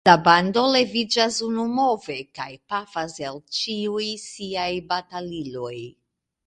La bando leviĝas unumove kaj pafas el ĉiuj siaj bataliloj.